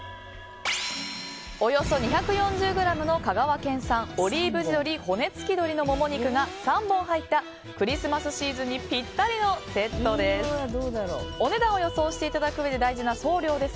およそ２４０ｇの香川県産オリーブ地鶏骨付鶏のモモ肉が３本入ったクリスマスシーズンにぴったりのセットです。